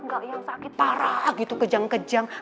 nggak yang sakit parah gitu kejang kejang